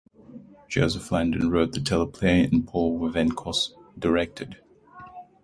Joseph Landon wrote the teleplay and Paul Wendkos directed.